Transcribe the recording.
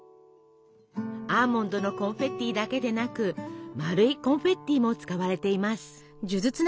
アーモンドのコンフェッティだけでなく丸いコンフェッティも使われています。